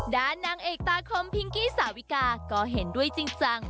นางเอกตาคมพิงกี้สาวิกาก็เห็นด้วยจริงจัง